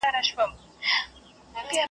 نه پوهېږم ورکه کړې مي ده لاره .